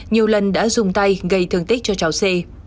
nhiều lần đã dùng tay gây thương tích cho cháu c